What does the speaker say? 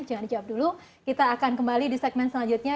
jangan dijawab dulu kita akan kembali di segmen selanjutnya